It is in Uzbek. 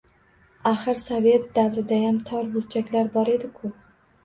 Axir, sovet davridayam tor burchaklar bor edi-ku?